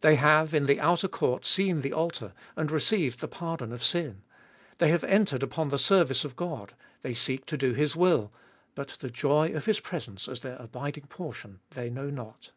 They have, in the outer court, seen the altar, and received the pardon of sin ; they have entered upon the service of God, they seek to do His will, but the joy of His presence as their abiding portion they know not.